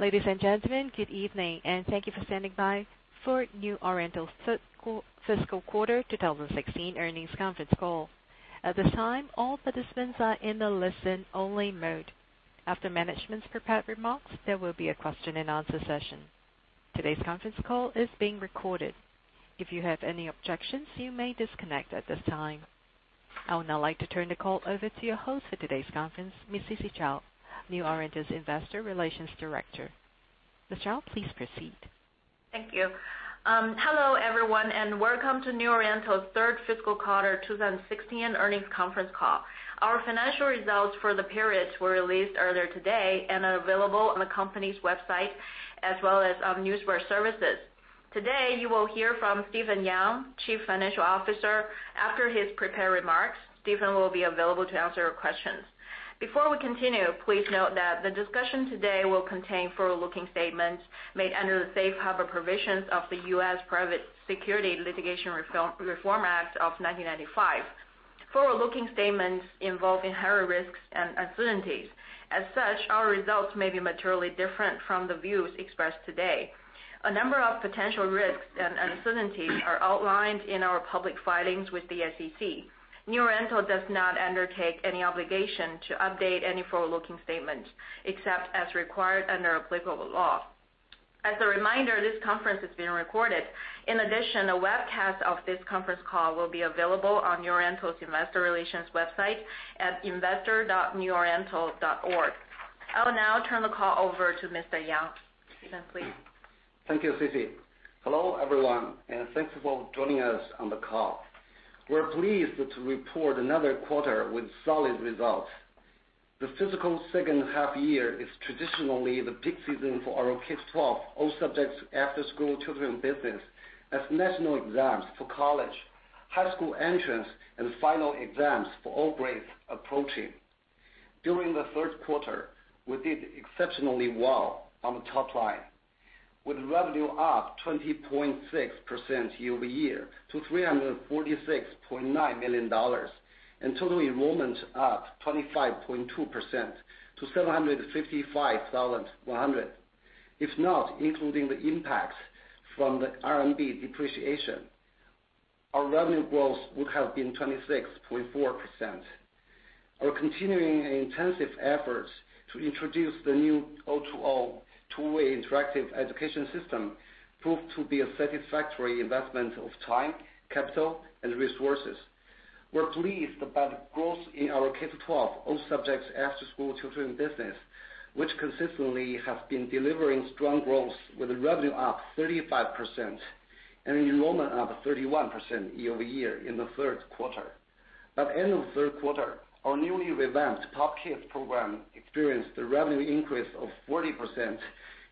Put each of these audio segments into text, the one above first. Ladies and gentlemen, good evening and thank you for standing by for New Oriental's fiscal quarter 2016 earnings conference call. At this time, all participants are in the listen only mode. After management's prepared remarks, there will be a question and answer session. Today's conference call is being recorded. If you have any objections, you may disconnect at this time. I would now like to turn the call over to your host for today's conference, Ms. Sisi Zhao, New Oriental's Investor Relations Director. Ms. Zhao, please proceed. Thank you. Hello, everyone, and welcome to New Oriental's third fiscal quarter 2016 earnings conference call. Our financial results for the period were released earlier today and are available on the company's website, as well as on Newswire services. Today, you will hear from Stephen Yang, Chief Financial Officer. After his prepared remarks, Stephen will be available to answer your questions. Before we continue, please note that the discussion today will contain forward-looking statements made under the Safe Harbor provisions of the U.S. Private Securities Litigation Reform Act of 1995. Forward-looking statements involving higher risks and uncertainties. As such, our results may be materially different from the views expressed today. A number of potential risks and uncertainties are outlined in our public filings with the SEC. New Oriental does not undertake any obligation to update any forward-looking statements, except as required under applicable law. As a reminder, this conference is being recorded. In addition, a webcast of this conference call will be available on New Oriental's investor relations website at investor.neworiental.org. I will now turn the call over to Mr. Yang. Stephen, please. Thank you, Sisi. Hello, everyone, and thanks for joining us on the call. We're pleased to report another quarter with solid results. The fiscal second half year is traditionally the peak season for our K-12 all subjects after school tutoring business, as national exams for college, high school entrance, and final exams for all grades approaching. During the third quarter, we did exceptionally well on the top line, with revenue up 20.6% year-over-year to $346.9 million and total enrollment up 25.2% to 755,100. If not including the impact from the RMB depreciation, our revenue growth would have been 26.4%. Our continuing intensive efforts to introduce the new O2O two-way interactive education system proved to be a satisfactory investment of time, capital, and resources. We are pleased about growth in our K-12 all subjects after-school tutoring business, which consistently has been delivering strong growth with revenue up 35% and enrollment up 31% year-over-year in the third quarter. At end of third quarter, our newly revamped POP Kids program experienced a revenue increase of 40%,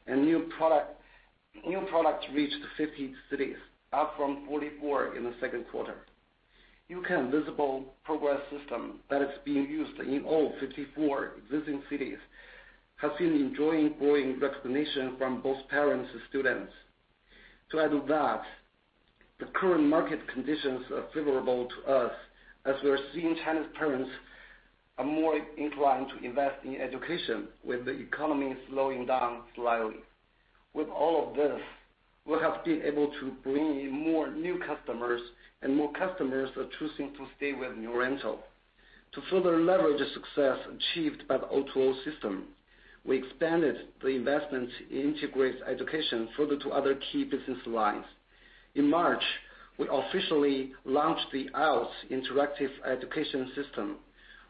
and new product reached 50 cities, up from 44 in the second quarter. U-Can visible progress system that is being used in all 54 existing cities, has been enjoying growing recognition from both parents and students. To add to that, the current market conditions are favorable to us as we are seeing Chinese parents are more inclined to invest in education with the economy slowing down slightly. With all of this, we have been able to bring in more new customers, and more customers are choosing to stay with New Oriental. To further leverage the success achieved by the O2O system, we expanded the investment in integrated education further to other key business lines. In March, we officially launched the IELTS interactive education system,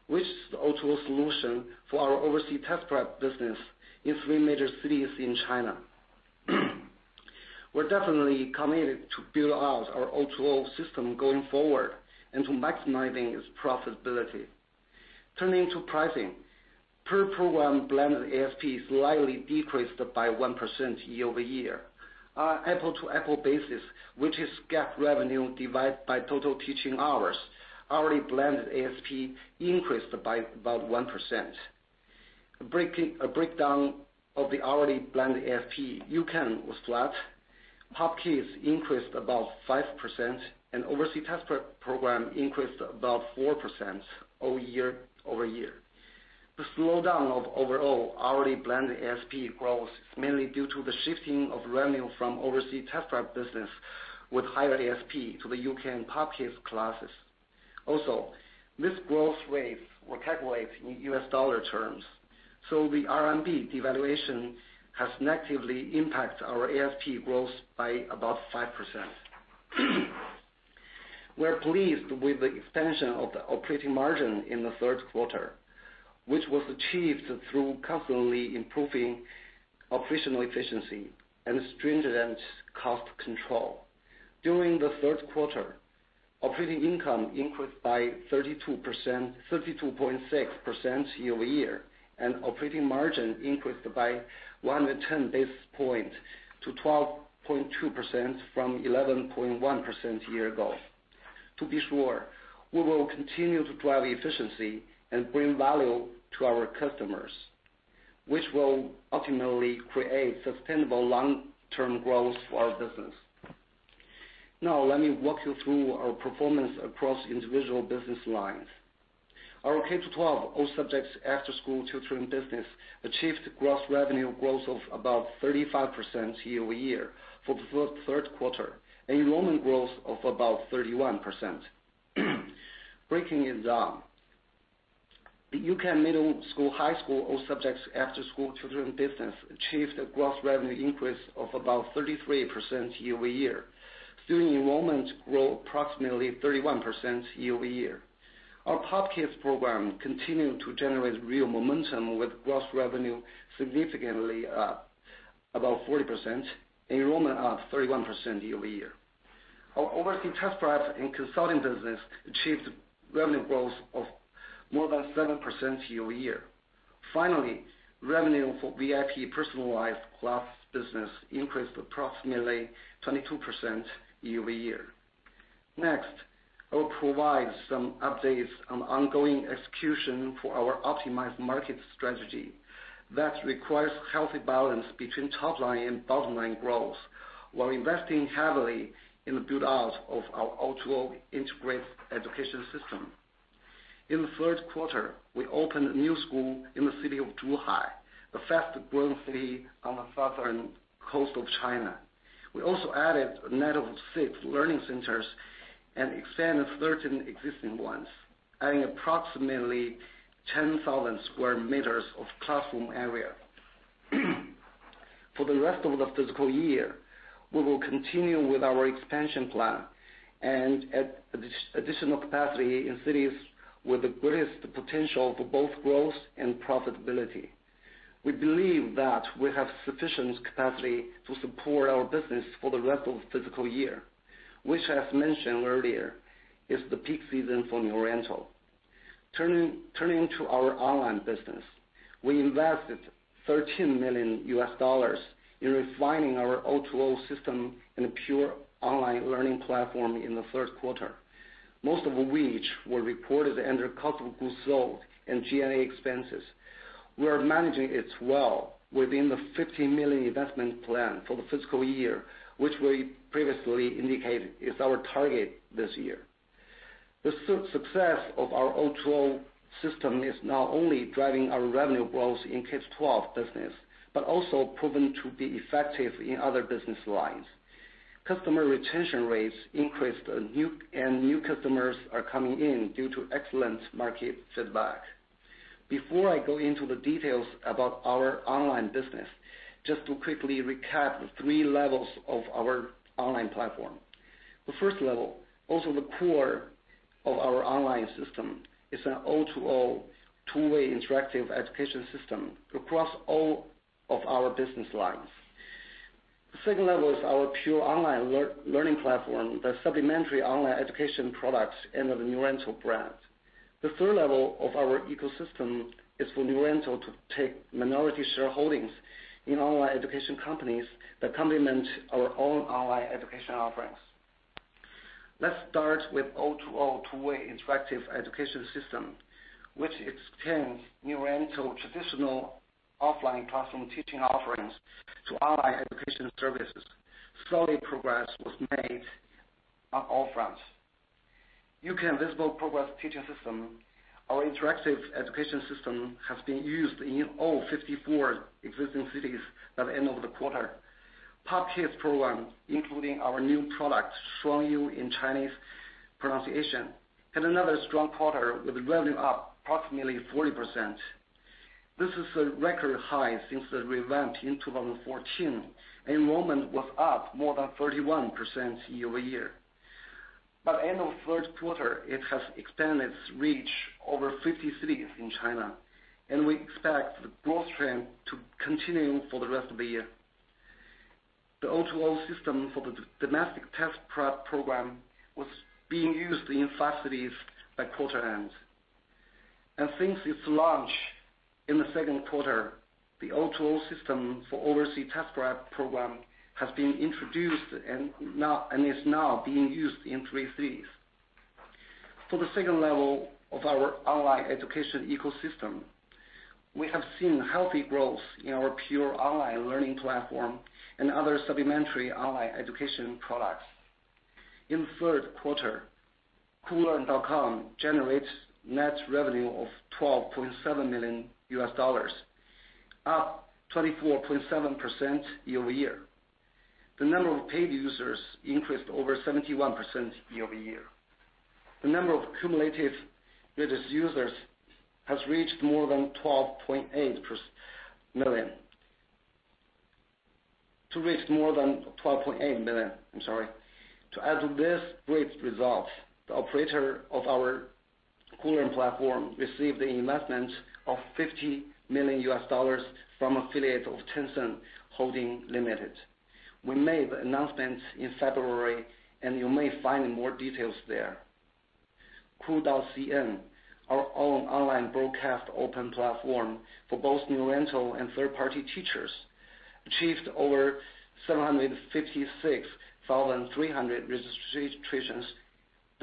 which is the O2O solution for our overseas test prep business in three major cities in China. We are definitely committed to build out our O2O system going forward and to maximizing its profitability. Turning to pricing, per program blended ASP slightly decreased by 1% year-over-year. On an apple-to-apple basis, which is GAAP revenue divided by total teaching hours, hourly blended ASP increased by about 1%. A breakdown of the hourly blended ASP: U-Can was flat, POP Kids increased above 5%, and overseas test prep program increased about 4% over year-over-year. The slowdown of overall hourly blended ASP growth is mainly due to the shifting of revenue from overseas test prep business with higher ASP to the U-Can POP Kids classes. This growth rate will calculate in U.S. dollar terms, so the RMB devaluation has negatively impacted our ASP growth by about 5%. We are pleased with the expansion of the operating margin in the third quarter, which was achieved through constantly improving operational efficiency and stringent cost control. During the third quarter, operating income increased by 32.6% year-over-year, and operating margin increased by 110 basis points to 12.2% from 11.1% a year ago. To be sure, we will continue to drive efficiency and bring value to our customers, which will ultimately create sustainable long-term growth for our business. Let me walk you through our performance across individual business lines. Our K-12 all subjects after-school tutoring business achieved gross revenue growth of about 35% year-over-year for the third quarter, enrollment growth of about 31%. Breaking it down. The U-Can. middle school, high school, all subjects after-school tutoring business achieved a gross revenue increase of about 33% year-over-year. Student enrollment grew approximately 31% year-over-year. Our POP Kids program continued to generate real momentum with gross revenue significantly up, about 40%, enrollment up 31% year-over-year. Our overseas test prep and consulting business achieved revenue growth of more than 7% year-over-year. Revenue for VIP personalized class business increased approximately 22% year-over-year. I will provide some updates on ongoing execution for our optimized market strategy that requires healthy balance between top line and bottom line growth while investing heavily in the build-out of our O2O integrated education system. In the third quarter, we opened a new school in the city of Zhuhai, the fastest growing city on the southern coast of China. We also added a net of six learning centers and expanded 13 existing ones, adding approximately 10,000 sq m of classroom area. For the rest of the fiscal year, we will continue with our expansion plan and add additional capacity in cities with the greatest potential for both growth and profitability. We believe that we have sufficient capacity to support our business for the rest of the fiscal year, which as mentioned earlier, is the peak season for New Oriental. Turning to our online business. We invested $13 million in refining our O2O system and pure online learning platform in the third quarter. Most of which were reported under cost of goods sold and G&A expenses. We are managing it well within the $15 million investment plan for the fiscal year, which we previously indicated is our target this year. The success of our O2O system is not only driving our revenue growth in K-12 business, but also proven to be effective in other business lines. Customer retention rates increased and new customers are coming in due to excellent market feedback. Before I go into the details about our online business, just to quickly recap the 3 levels of our online platform. The first level, also the core of our online system, is an O2O two-way interactive education system across all of our business lines. The second level is our pure online learning platform, the supplementary online education products under the New Oriental brand. The third level of our ecosystem is for New Oriental to take minority shareholdings in online education companies that complement our own online education offerings. Let's start with O2O two-way interactive education system, which extends New Oriental traditional offline classroom teaching offerings to online education services. Solid progress was made on all fronts. U-Can visible progress teaching system. Our interactive education system has been used in all 54 existing cities at the end of the quarter. POP Kids program, including our new product, Shuangyu in Chinese pronunciation, had another strong quarter with revenue up approximately 40%. This is a record high since the revamp in 2014. Enrollment was up more than 31% year-over-year. By end of third quarter, it has expanded its reach over 50 cities in China, and we expect the growth trend to continue for the rest of the year. The O2O system for the domestic test prep program was being used in five cities by quarter end. Since its launch in the second quarter, the O2O system for overseas test prep program has been introduced and is now being used in three cities. For the second level of our online education ecosystem, we have seen healthy growth in our pure online learning platform and other supplementary online education products. In the third quarter, koolearn.com generates net revenue of $12.7 million, up 24.7% year-over-year. The number of paid users increased over 71% year-over-year. The number of cumulative registered users has reached more than 12.8 million. To add to this great result, the operator of our Koolearn platform received an investment of $50 million from affiliate of Tencent Holdings Limited. You may find more details there. koolearn.com, our own online broadcast open platform for both New Oriental and third-party teachers, achieved over 756,300 registrations.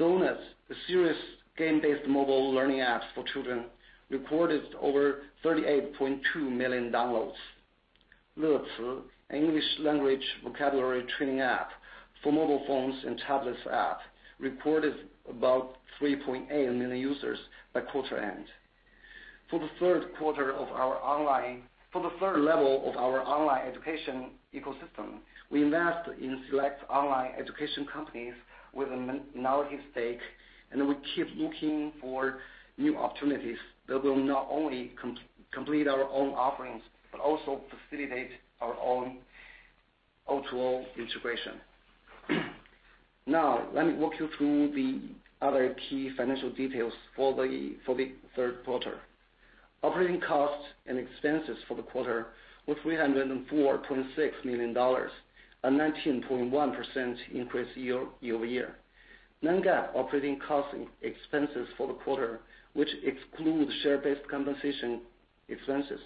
Donut, the series game-based mobile learning apps for children, recorded over 38.2 million downloads. LeCi, English language vocabulary training app for mobile phones and tablets, reported about 3.8 million users by quarter end. For the 3rd level of our online education ecosystem, we invest in select online education companies with a minority stake, and we keep looking for new opportunities that will not only complete our own offerings, but also facilitate our own O2O integration. Let me walk you through the other key financial details for the third quarter. Operating costs and expenses for the quarter were $304.26 million, a 19.1% increase year-over-year. Non-GAAP operating costs expenses for the quarter, which excludes share-based compensation expenses,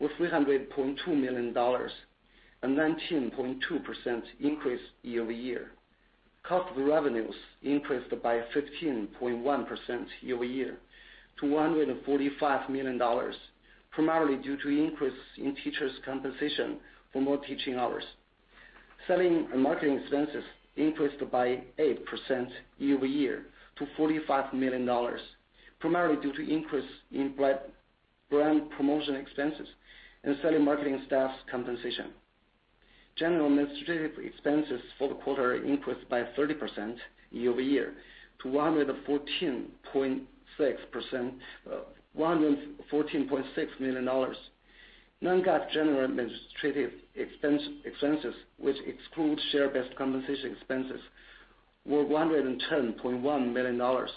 were $300.2 million, a 19.2% increase year-over-year. Cost of revenues increased by 15.1% year-over-year to $145 million, primarily due to increase in teachers' compensation for more teaching hours. Selling and marketing expenses increased by 8% year-over-year to $45 million, primarily due to increase in brand promotion expenses and selling and marketing staff's compensation. General and administrative expenses for the quarter increased by 30% year-over-year to $114.6 million. Non-GAAP general and administrative expenses, which excludes share-based compensation expenses, were $110.1 million, a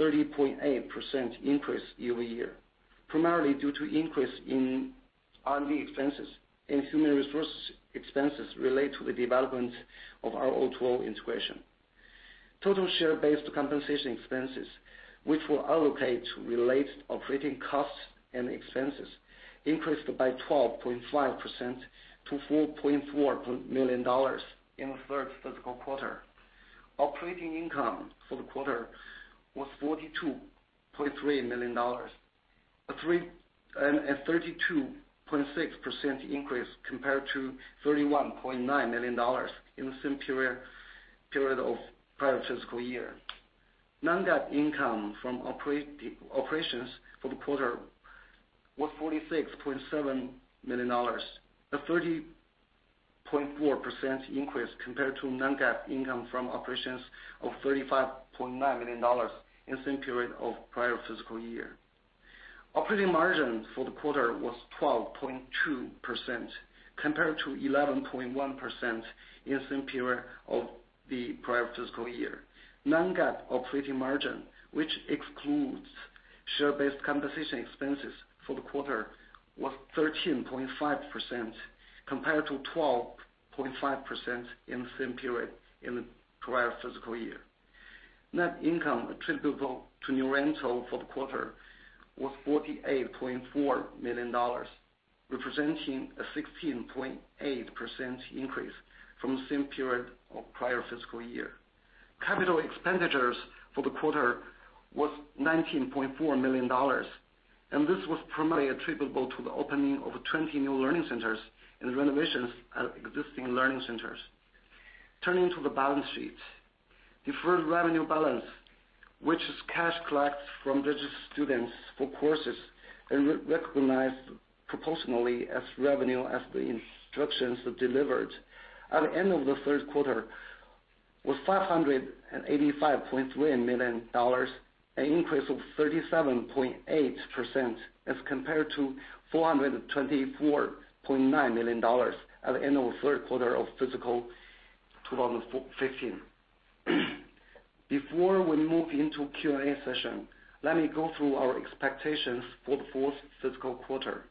30.8% increase year-over-year, primarily due to increase in R&D expenses and human resources expenses related to the development of our O2O integration. Total share-based compensation expenses, which we'll allocate related operating costs and expenses, increased by 12.5% to $4.4 million in the third fiscal quarter. Operating income for the quarter was $42.3 million, a 32.6% increase compared to $31.9 million in the same period of the prior fiscal year. Non-GAAP income from operations for the quarter was $46.7 million, a 30.4% increase compared to non-GAAP income from operations of $35.9 million in the same period of the prior fiscal year. Operating margin for the quarter was 12.2% compared to 11.1% in the same period of the prior fiscal year. Non-GAAP operating margin, which excludes share-based compensation expenses for the quarter, was 13.5% compared to 12.5% in the same period in the prior fiscal year. Net income attributable to New Oriental for the quarter was $48.4 million, representing a 16.8% increase from the same period of prior fiscal year. Capital expenditures for the quarter was $19.4 million, this was primarily attributable to the opening of 20 new learning centers and the renovations at existing learning centers. Turning to the balance sheet. Deferred revenue balance, which is cash collected from registered students for courses and recognized proportionally as revenue as the instructions are delivered, at the end of the third quarter, was $585.3 million, an increase of 37.8% as compared to $424.9 million at the end of the third quarter of fiscal 2015. Before we move into the Q&A session, let me go through our expectations for the fourth fiscal quarter.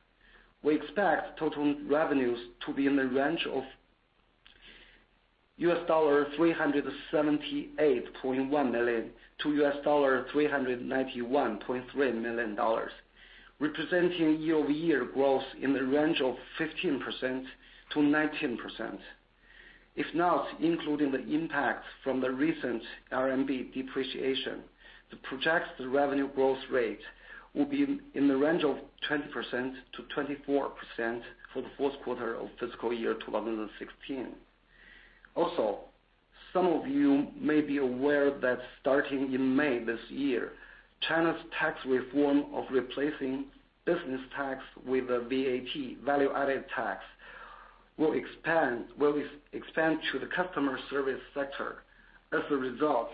We expect total revenues to be in the range of $378.1 million to $391.3 million, representing year-over-year growth in the range of 15%-19%. If not including the impact from the recent RMB depreciation, the projected revenue growth rate will be in the range of 20%-24% for the fourth quarter of fiscal year 2016. Some of you may be aware that starting in May this year, China's tax reform of replacing business tax with a VAT, value-added tax, will expand to the customer service sector. As a result,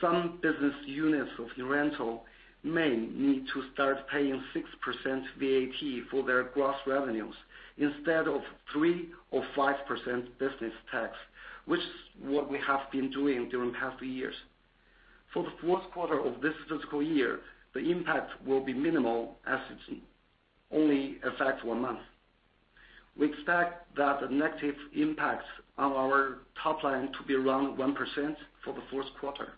some business units of New Oriental may need to start paying 6% VAT for their gross revenues instead of 3% or 5% business tax, which is what we have been doing during past years. For the fourth quarter of this fiscal year, the impact will be minimal as it only affects one month. We expect that the negative impacts on our top line to be around 1% for the fourth quarter.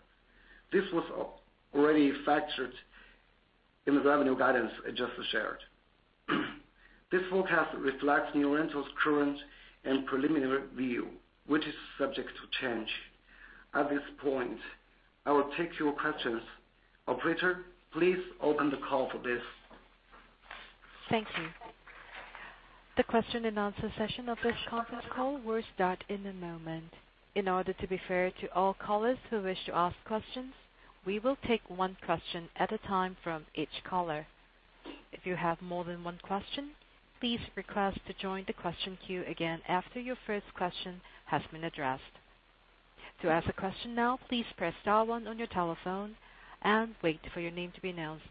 This was already factored in the revenue guidance I just shared. This forecast reflects New Oriental's current and preliminary view, which is subject to change. At this point, I will take your questions. Operator, please open the call for this. Thank you. The question and answer session of this conference call will start in a moment. In order to be fair to all callers who wish to ask questions, we will take one question at a time from each caller. If you have more than one question, please request to join the question queue again after your first question has been addressed. To ask a question now, please press star one on your telephone and wait for your name to be announced.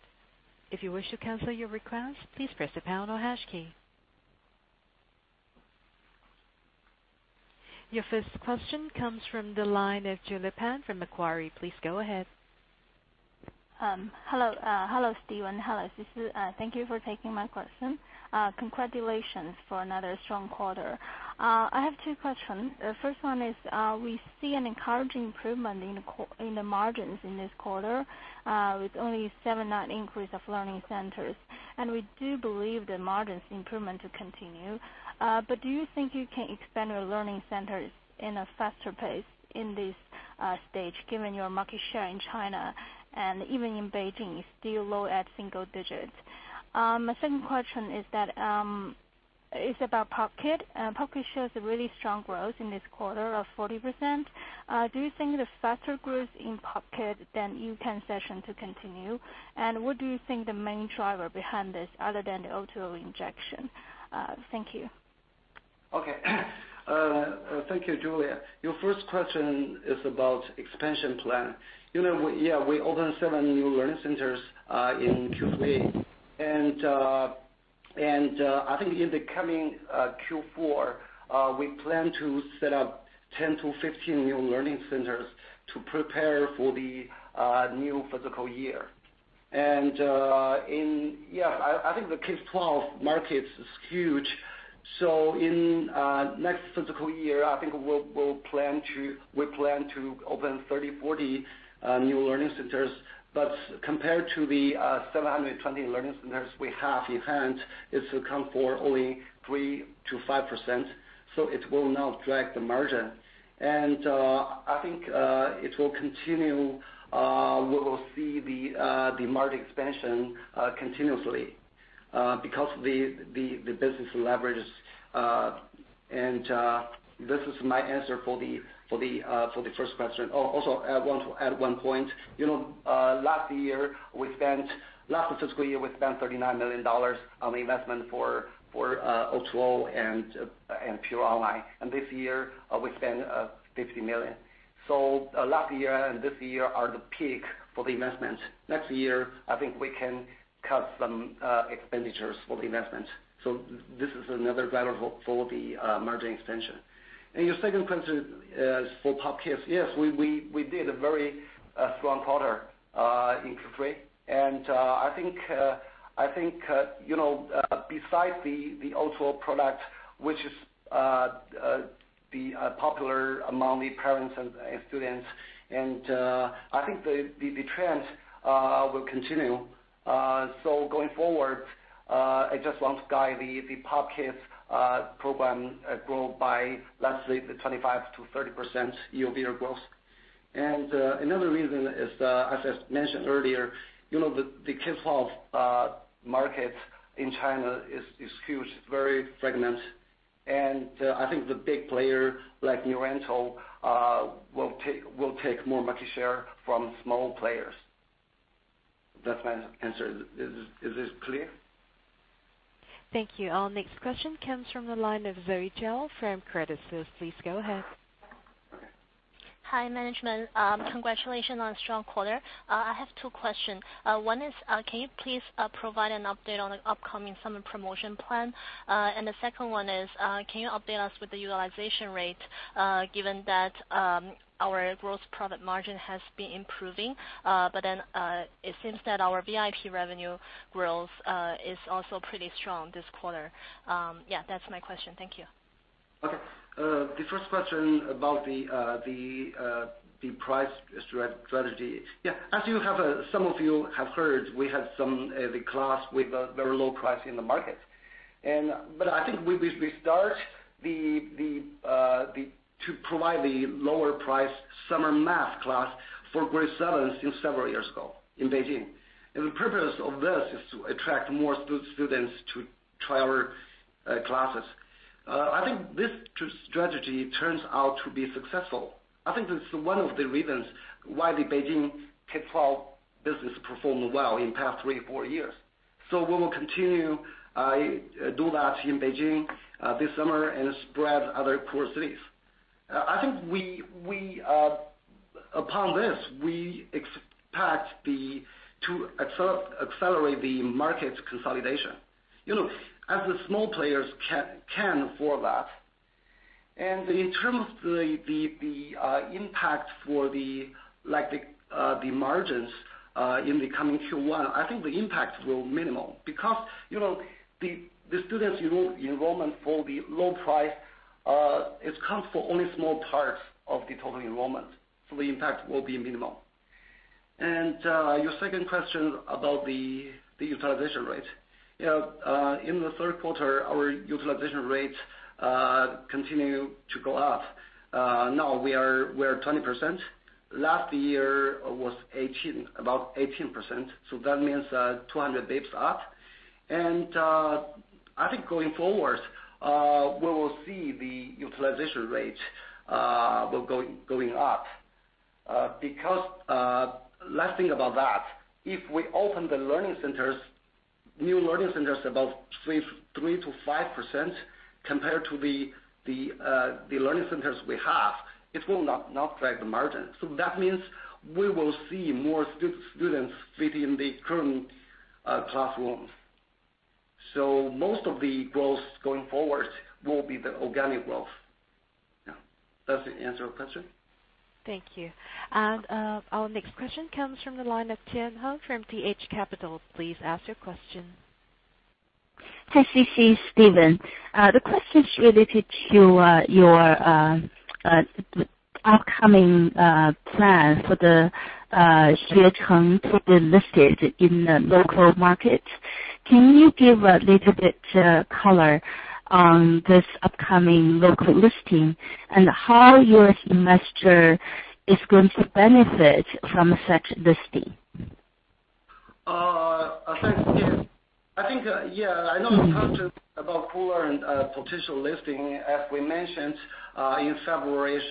If you wish to cancel your request, please press the pound or hash key. Your first question comes from the line of Julie Pan from Macquarie. Please go ahead. Hello, Steve, and hello, Sisi. Thank you for taking my question. Congratulations for another strong quarter. I have two questions. First one is, we see an encouraging improvement in the margins in this quarter with only seven increase of learning centers. We do believe the margins improvement to continue, but do you think you can expand your learning centers in a faster pace in this stage, given your market share in China and even in Beijing is still low at single digits? My second question is about POP Kids. POP Kids shows a really strong growth in this quarter of 40%. Do you think the faster growth in POP Kids than U-Can session to continue? What do you think the main driver behind this other than the O2O injection? Thank you. Thank you, Julie. Your first question is about expansion plan. We opened seven new learning centers in Q3, and I think in the coming Q4, we plan to set up 10 to 15 new learning centers to prepare for the new fiscal year. I think the K-12 market is huge. In next fiscal year, I think we plan to open 30, 40 new learning centers. But compared to the 720 learning centers we have in hand, it will count for only 3%-5%, it will not drag the margin. I think it will continue, we will see the market expansion continuously because of the business leverage. This is my answer for the first question. Also, I want to add one point. Last fiscal year, we spent $39 million on investment for O2O and pure online. This year, we spend $50 million. Last year and this year are the peak for the investment. Next year, I think we can cut some expenditures for the investment. This is another driver for the margin expansion. Your second question is for POP Kids. Yes, we did a very strong quarter in Q3. I think besides the O2O product, which is popular among the parents and students, I think the trend will continue. Going forward, I just want to guide the POP Kids program grow by let's say 25%-30% year-over-year growth. Another reason is, as I mentioned earlier, the K-12 market in China is huge, it's very fragment. I think the big player like New Oriental will take more market share from small players. That's my answer. Is this clear? Thank you. Our next question comes from the line of Zoe Zhao from Credit Suisse. Please go ahead. Hi, management. Congratulations on a strong quarter. I have two questions. One is, can you please provide an update on the upcoming summer promotion plan? The second one is, can you update us with the utilization rate, given that our gross profit margin has been improving, it seems that our VIP revenue growth is also pretty strong this quarter. That's my question. Thank you. The first question about the price strategy. As some of you have heard, the class with a very low price in the market. I think we start to provide the lower price summer math class for grade 7s since several years ago in Beijing. The purpose of this is to attract more students to try our classes. I think this strategy turns out to be successful. I think this is one of the reasons why the Beijing K-12 business performed well in the past three, four years. We will continue do that in Beijing this summer and spread other core cities. Upon this, we expect to accelerate the market consolidation. The small players can't afford that. In terms of the impact for the margins in the coming Q1, I think the impact will minimal because the students enrollment for the low price, it accounts for only small parts of the total enrollment. The impact will be minimal. Your second question about the utilization rate. In the third quarter, our utilization rates continue to go up. Now we're 20%. Last year was about 18%, that means 200 basis points up. I think going forward, we will see the utilization rate going up. Because last thing about that, if we open the new learning centers about 3%-5% compared to the learning centers we have, it will not break the margin. That means we will see more students fit in the current classrooms. Most of the growth going forward will be the organic growth. Does it answer your question? Thank you. Our next question comes from the line of Tian Hou from TH Capital. Please ask your question. Hi, Sisi, Stephen. The question is related to your upcoming plans for the Koolearn to be listed in the local market. Can you give a little bit color on this upcoming local listing and how your investor is going to benefit from such listing? Thanks. Yeah. I know I'm talking about Koolearn potential listing, as we mentioned in February's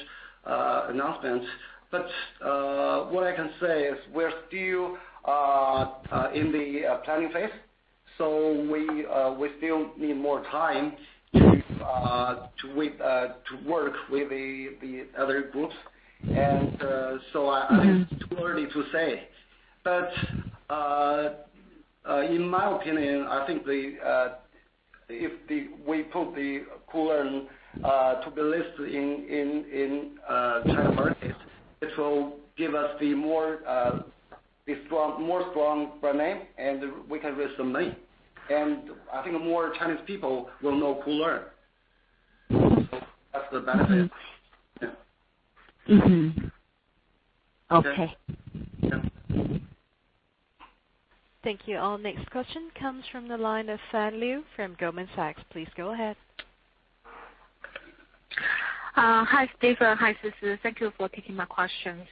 announcements. What I can say is we're still in the planning phase, we still need more time to work with the other groups. It's too early to say. In my opinion, I think if we put the Koolearn to be listed in China markets, it will give us the more strong brand name, we can raise some money. I think more Chinese people will know Koolearn. That's the benefit. Yeah. Mm-hmm. Okay. Yeah. Thank you. Our next question comes from the line of Fan Liu from Goldman Sachs. Please go ahead. Hi, Stephen. Hi, Sisi. Thank you for taking my questions.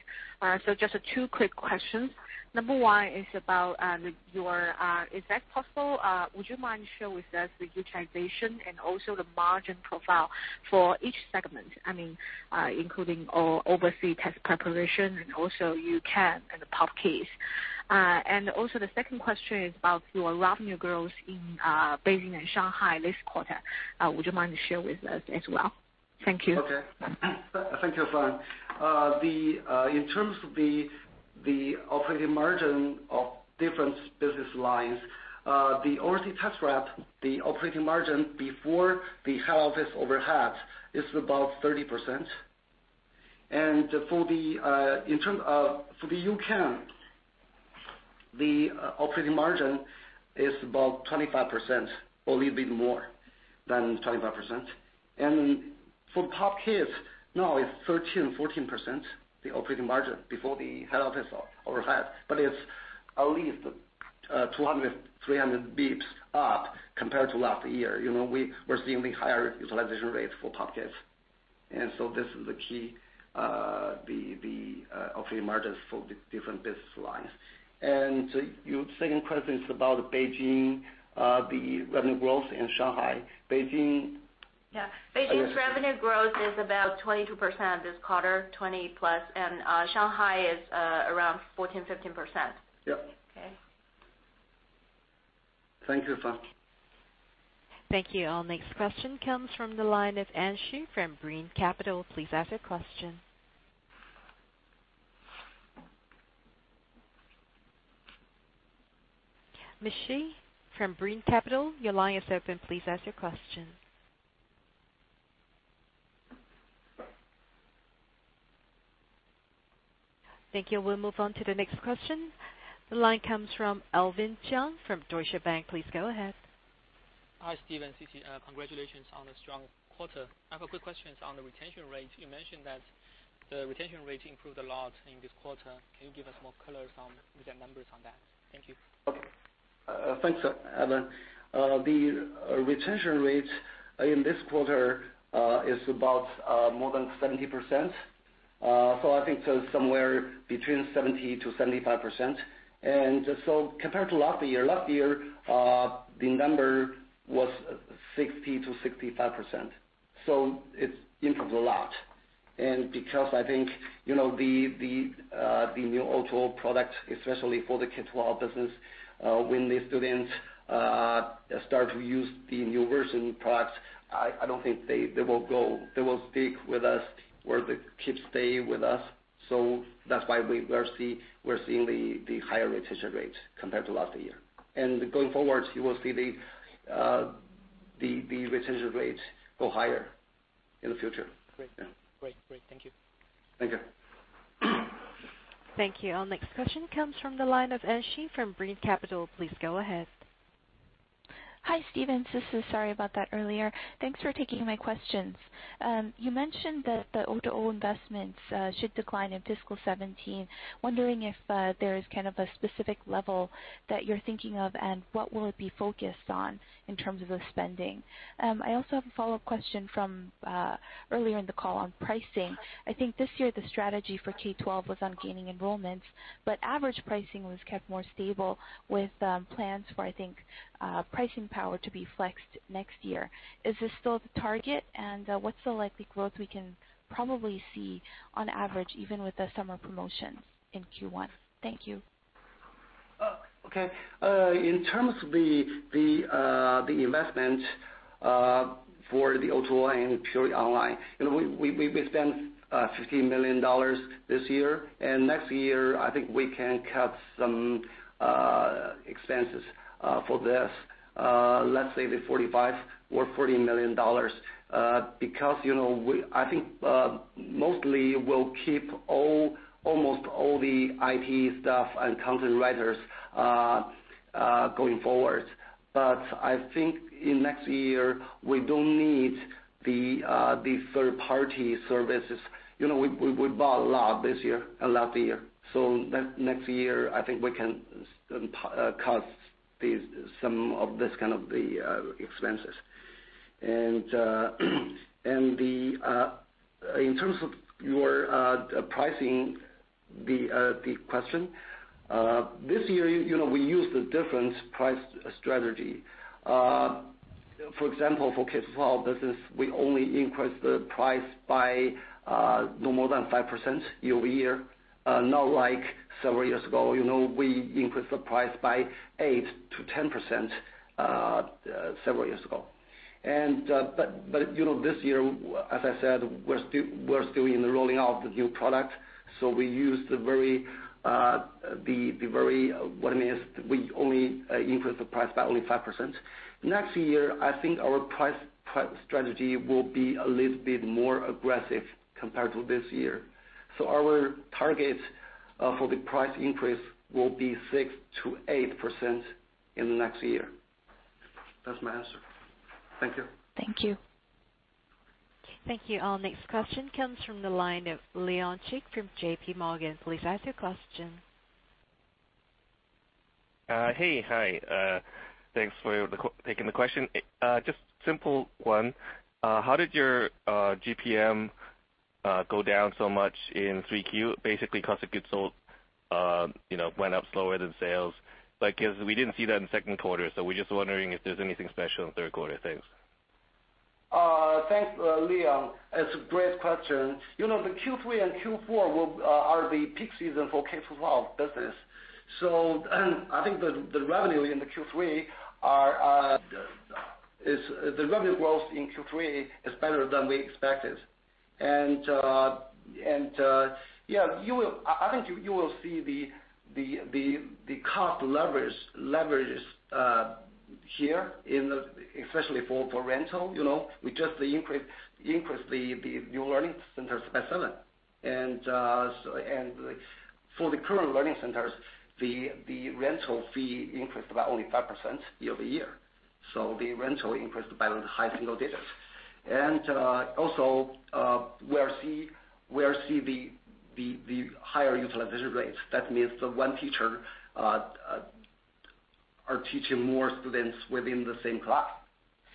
Just two quick questions. Number one is about your, if that is possible, would you mind sharing with us the utilization and also the margin profile for each segment? I mean, including overseas test preparation and also U-Can and the POP Kids. The second question is about your revenue growth in Beijing and Shanghai this quarter. Would you mind sharing with us as well? Thank you. Okay. Thank you, Fan. In terms of the operating margin of different business lines, the overseas test prep, the operating margin before the head office overhead is about 30%. For the U-Can, the operating margin is about 25% or a little bit more than 25%. For POP Kids, now it is 13%, 14%, the operating margin before the head office overhead. It is at least 200, 300 basis points up compared to last year. We are seeing the higher utilization rates for POP Kids. This is the key operating margins for the different business lines. Your second question is about Beijing, the revenue growth in Shanghai. Yeah. Beijing's revenue growth is about 22% this quarter, 20 plus, and Shanghai is around 14%-15%. Yep. Okay. Thank you, Fan. Thank you. Our next question comes from the line of Anne Shih from Brean Capital. Please ask your question. Anne Shih from Brean Capital, your line is open. Please ask your question. Thank you. We will move on to the next question. The line comes from Alvin Jiang from Deutsche Bank. Please go ahead. Hi, Stephen, Sisi. Congratulations on the strong quarter. I have a quick question on the retention rate. You mentioned that the retention rate improved a lot in this quarter. Can you give us more color with the numbers on that? Thank you. Okay. Thanks, Alvin. The retention rate in this quarter is about more than 70%. I think so somewhere between 70%-75%. Compared to last year, the number was 60%-65%. It's improved a lot. Because I think the new O2O product, especially for the K-12 business, when the students start to use the new version products, I don't think they will stick with us or the kids stay with us. That's why we're seeing the higher retention rates compared to last year. Going forward, you will see the retention rates go higher in the future. Great. Yeah. Great. Thank you. Thank you. Thank you. Our next question comes from the line of Anne Shih from Brean Capital. Please go ahead. Hi, Stephen, Sisi. Sorry about that earlier. Thanks for taking my questions. You mentioned that the O2O investments should decline in fiscal 2017. Wondering if there is a specific level that you're thinking of, and what will it be focused on in terms of the spending? I also have a follow-up question from earlier in the call on pricing. I think this year the strategy for K-12 was on gaining enrollments, but average pricing was kept more stable with plans for, I think, pricing power to be flexed next year. Is this still the target? What's the likely growth we can probably see on average, even with the summer promotions in Q1? Thank you. Okay. In terms of the investment for the O2O and purely online, we spent $15 million this year. Next year, I think we can cut some expenses for this. Let's say the $45 million or $40 million, because I think mostly we'll keep almost all the IT staff and content writers going forward. I think in next year, we don't need the third-party services. We bought a lot this year and last year. Next year, I think we can cut some of these kind of the expenses. In terms of your pricing, the question, this year we used a different price strategy. For example, for K-12 business, we only increased the price by no more than 5% year-over-year. Not like several years ago. We increased the price by 8%-10% several years ago. This year, as I said, we're still in the rolling out the new product. What I mean is, we only increased the price by only 5%. Next year, I think our price strategy will be a little bit more aggressive compared to this year. Our target for the price increase will be 6%-8% in next year. That's my answer. Thank you. Thank you. Thank you all. Next question comes from the line of Leon Chik from JP Morgan. Please ask your question. Hey. Hi. Thanks for taking the question. Just simple one. How did your GPM go down so much in Q3? Basically, cost of goods sold went up slower than sales. I guess we didn't see that in second quarter, so we're just wondering if there's anything special in third quarter. Thanks. Thanks, Leon. It's a great question. The Q3 and Q4 are the peak season for K-12 business. I think the revenue growth in Q3 is better than we expected. Yeah, I think you will see the cost leverage here, especially for rental. We just increased the new learning centers by seven. For the current learning centers, the rental fee increased about only 5% year-over-year. The rental increased by high single digits. Also, we are seeing the higher utilization rates. That means the one teacher are teaching more students within the same class.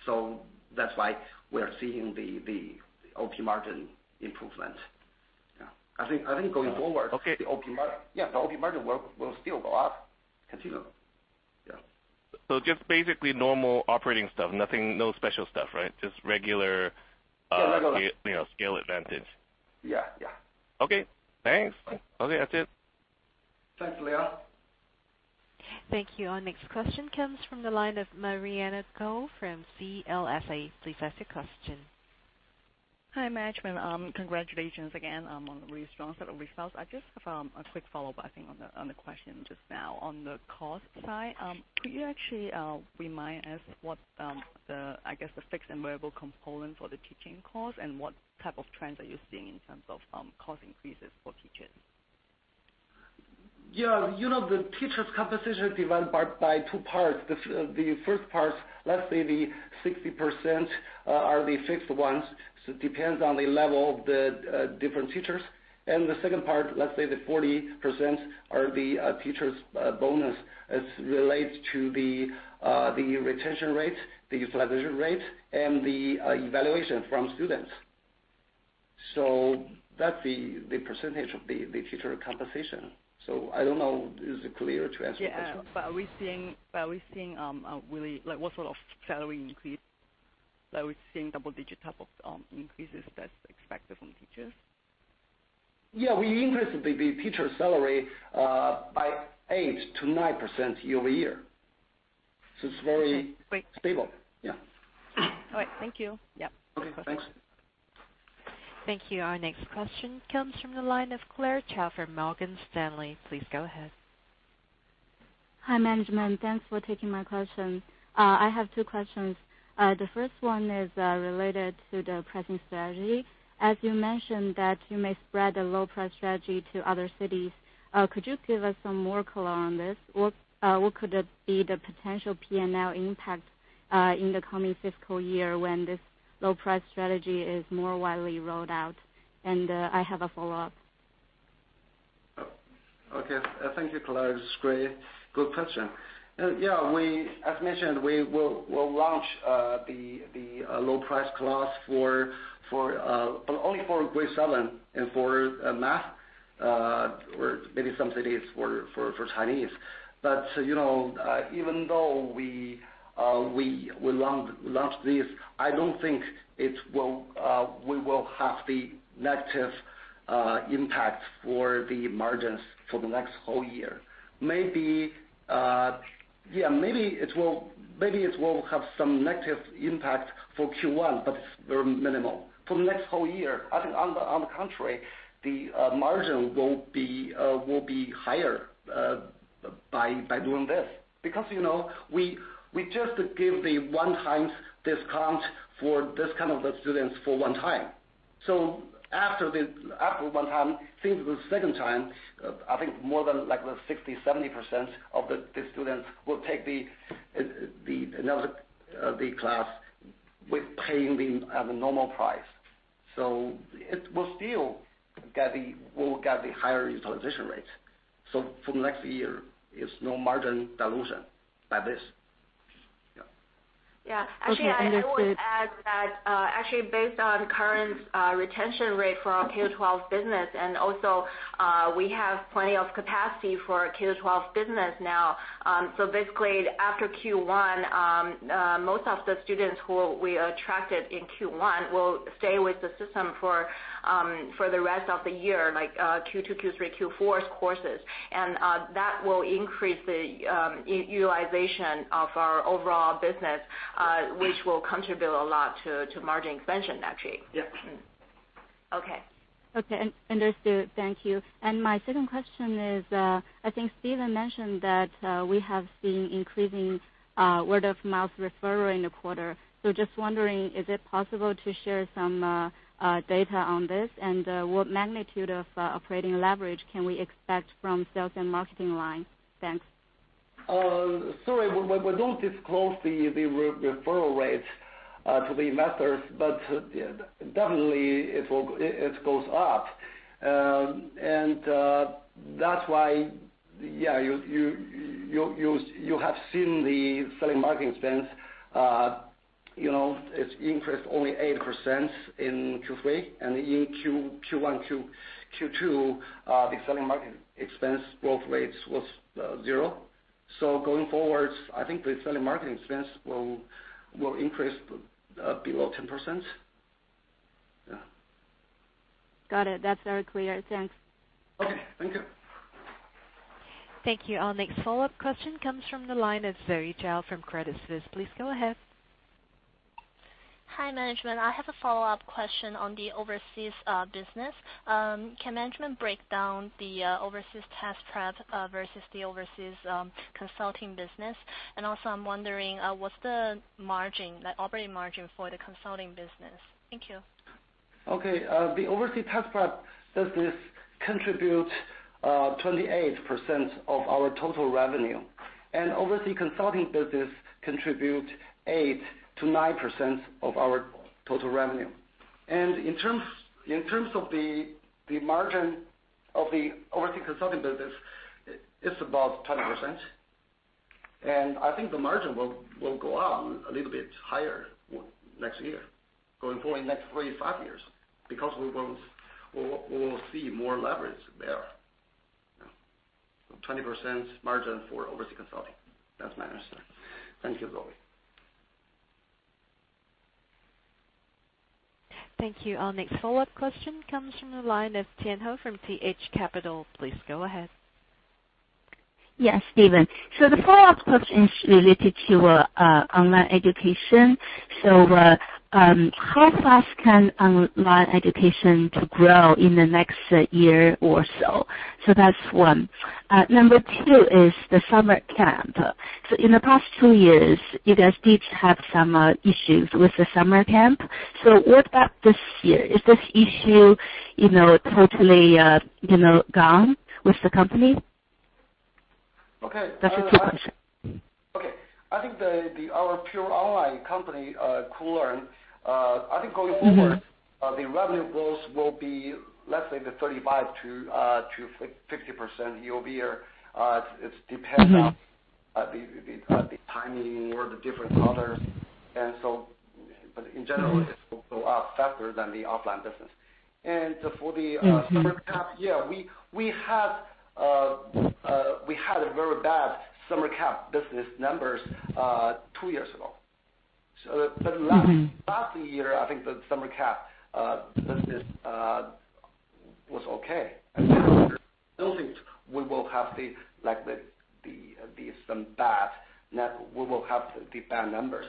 That's why we are seeing the Operating margin improvement. Yeah. I think going forward- Okay. The Operating margin will still go up continually. Yeah. Just basically normal operating stuff. No special stuff, right? Regular scale advantage. Yeah. Okay. Thanks. Okay, that's it. Thanks, Leon. Thank you. Our next question comes from the line of Mariana Kou from CLSA. Please ask your question. Hi, management. Congratulations again on the really strong set of results. I just have a quick follow-up, I think, on the question just now on the cost side. Could you actually remind us what the, I guess, the fixed and variable component for the teaching cost, and what type of trends are you seeing in terms of cost increases for teachers? Yeah. The teacher's compensation divided by two parts. The first part, let's say the 60%, are the fixed ones, depends on the level of the different teachers. The second part, let's say the 40%, are the teacher's bonus as relates to the retention rate, the utilization rate, and the evaluation from students. That's the percentage of the teacher compensation. I don't know, is it clear to answer your question? Yeah. Are we seeing really, what sort of salary increase? Are we seeing double-digit type of increases that's expected from teachers? Yeah. We increased the teacher salary by 8%-9% year-over-year. Okay, great. stable. Yeah. All right. Thank you. Yep. Okay, thanks. Thank you. Our next question comes from the line of Claire Cao from Morgan Stanley. Please go ahead. Hi, management. Thanks for taking my question. I have two questions. The first one is related to the pricing strategy. As you mentioned that you may spread the low price strategy to other cities, could you give us some more color on this? What could be the potential P&L impact in the coming fiscal year when this low price strategy is more widely rolled out? I have a follow-up. Okay. Thank you, Claire. It's great. Good question. As mentioned, we will launch the low price class only for grade 7 and for math, or maybe some cities for Chinese. Even though we launch this, I don't think we will have the negative impact for the margins for the next whole year. Maybe it will have some negative impact for Q1, but it's very minimal. For the next whole year, I think on the contrary, the margin will be higher by doing this. We just give the one-time discount for this kind of students for one time. After one time, since the second time, I think more than 60%-70% of the students will take the class with paying the normal price. We'll still get the higher utilization rate. For the next year, it's no margin dilution by this. Yeah. Actually, I would add that actually based on current retention rate for our K-12 business, also we have plenty of capacity for K-12 business now. Basically, after Q1, most of the students who we attracted in Q1 will stay with the system for the rest of the year, like Q2, Q3, Q4's courses. That will increase the utilization of our overall business which will contribute a lot to margin expansion, actually. Yeah. Okay. Okay. Understood. Thank you. My second question is, I think Stephen mentioned that we have seen increasing word-of-mouth referral in the quarter. Just wondering, is it possible to share some data on this? What magnitude of operating leverage can we expect from sales and marketing line? Thanks. Sorry. We don't disclose the referral rates to the investors, definitely it goes up. That's why you have seen the sales and marketing expense increased only 8% in Q3, in Q1, Q2, the sales and marketing expense growth rates was zero. Going forward, I think the sales and marketing expense will increase below 10%. Yeah. Got it. That's very clear. Thanks. Okay. Thank you. Thank you. Our next follow-up question comes from the line of Zoe Zhao from Credit Suisse. Please go ahead. Hi, management. I have a follow-up question on the overseas business. Can management break down the overseas test prep versus the overseas consulting business? Also, I'm wondering, what's the operating margin for the consulting business? Thank you. Okay. The overseas test prep business contributes 28% of our total revenue, and overseas consulting business contribute 8%-9% of our total revenue. In terms of the margin of the overseas consulting business, it's about 20%. I think the margin will go out a little bit higher next year, going forward next three, five years, because we will see more leverage there. 20% margin for overseas consulting. That's my answer. Thank you, Zoe. Thank you. Our next follow-up question comes from the line of Tian Hou from TH Capital. Please go ahead. Yeah, Stephen. The follow-up question is related to online education. How fast can online education grow in the next year or so? That's one. Number two is the summer camp. In the past two years, you guys did have some issues with the summer camp. What about this year? Is this issue totally gone with the company? Okay. That's the two questions. Okay. I think our pure online company, Koolearn, I think going forward, the revenue growth will be, let's say the 35%-50% yearly year. It depends on the timing or the different others. In general, it will go up faster than the offline business. For the summer camp, yeah, we had a very bad summer camp business numbers two years ago. Last year, I think the summer camp business was okay. This year, I don't think we will have the bad numbers.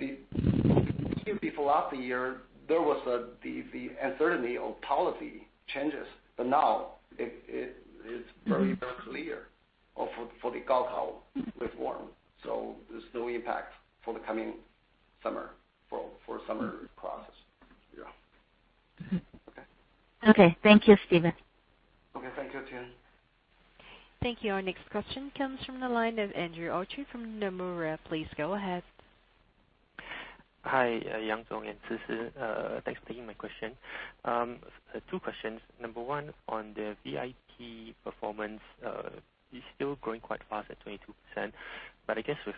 Even before last year, there was the uncertainty of policy changes, but now it's very, very clear for the Gaokao reform. There's no impact for the coming summer, for summer classes. Yeah. Okay. Thank you, Stephen. Okay. Thank you, Tian. Thank you. Our next question comes from the line of Andrew Orchard from Nomura. Please go ahead. Hi, Stephen Yang and Sisi Zhao. Thanks for taking my question. Two questions. Number one on the VIP performance. It is still growing quite fast at 22%, but I guess with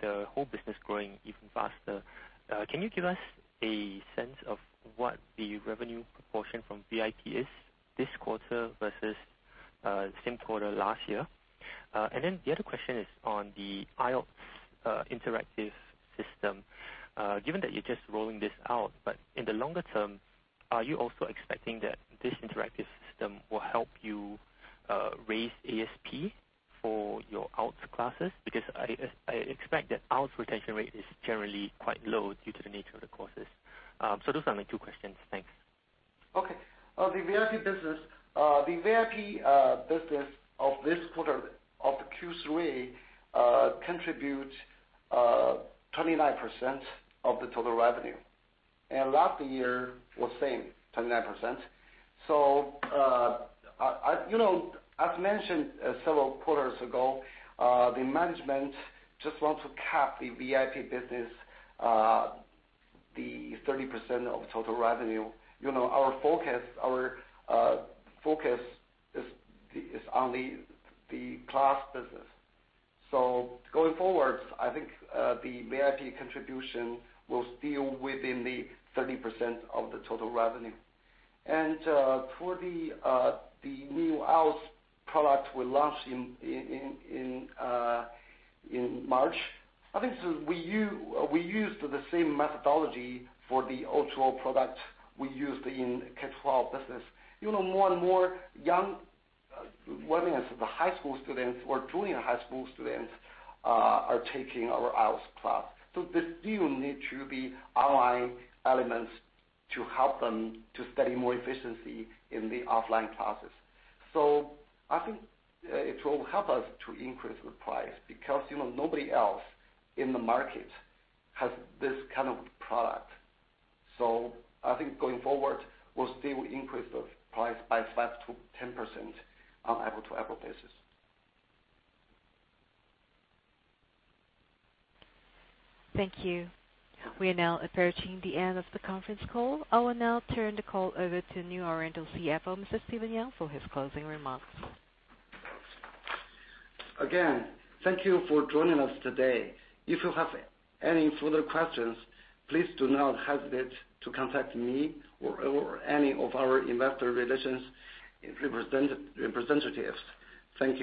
the whole business growing even faster, can you give us a sense of what the revenue proportion from VIP is this quarter versus same quarter last year? And then the other question is on the IELTS interactive system. Given that you are just rolling this out, but in the longer term, are you also expecting that this interactive system will help you raise ASP for your IELTS classes? Because I expect that IELTS retention rate is generally quite low due to the nature of the courses. Those are my two questions. Thanks. The VIP business of this quarter, of Q3, contributes 29% of the total revenue. Last year was same, 29%. As mentioned several quarters ago, the management just wants to cap the VIP business, the 30% of total revenue. Our focus is on the class business. Going forward, I think the VIP contribution will still within the 30% of the total revenue. For the new IELTS product we launched in March, I think we used the same methodology for the O2O product we used in K-12 business. More and more young, what do you know, the high school students or junior high school students are taking our IELTS class. They still need to be online elements to help them to study more efficiency in the offline classes. I think it will help us to increase the price because nobody else in the market has this kind of product. I think going forward, we'll still increase the price by 5%-10% on year-over-year basis. Thank you. We are now approaching the end of the conference call. I will now turn the call over to New Oriental CFO, Mr. Stephen Yang, for his closing remarks. Again, thank you for joining us today. If you have any further questions, please do not hesitate to contact me or any of our investor relations representatives. Thank you.